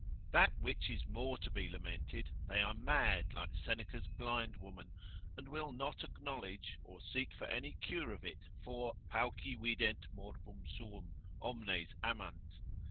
That which is more to be lamented, they are mad like Seneca's blind woman, and will not acknowledge, or seek for any cure of it, for pauci vident morbum suum, omnes amant.